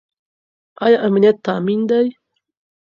ايا امنيت تامين دی؟